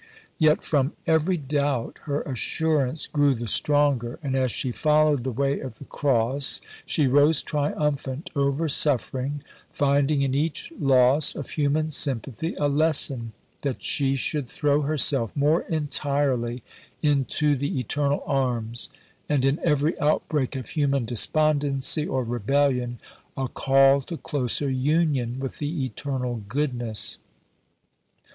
Yet from every doubt her assurance grew the stronger; and as she followed the Way of the Cross, she rose triumphant over suffering, finding in each loss of human sympathy a lesson that she should throw herself more entirely into the Eternal Arms, and in every outbreak of human despondency or rebellion a call to closer union with the Eternal Goodness.